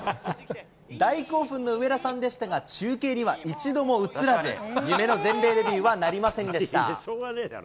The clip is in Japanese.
大興奮の上田さんでしたが、中継には一度も映らず、夢の全米デビューはなりませんでした。